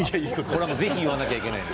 これはぜひ言わなきゃいけない。